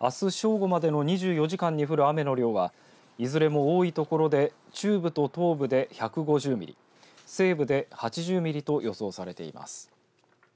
あす正午までの２４時間に降る雨の量はいずれも多い所で中部と東部で１５０ミリ西部で８０ミリと予想されています。